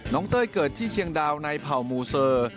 เต้ยเกิดที่เชียงดาวในเผ่ามูเซอร์